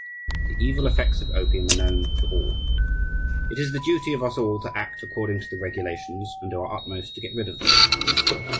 The evil effects of opium are known to all. It is the duty of us all to act according to the regulations, and do our utmost to get rid of them.